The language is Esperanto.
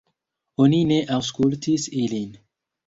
Oni ne aŭskultis ilin.